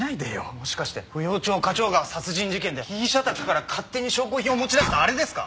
もしかして芙蓉町花鳥川殺人事件で被疑者宅から勝手に証拠品を持ち出したあれですか？